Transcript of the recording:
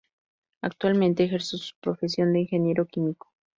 Actualmente ejerce su profesión de ingeniero químico.